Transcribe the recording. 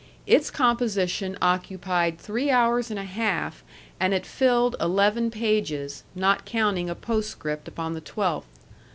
Its composition occupied three hours and a half, and it filled eleven pages, not counting a postscript upon the twelfth.